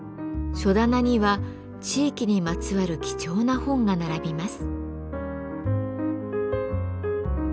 書棚には地域にまつわる貴重な本が並びます。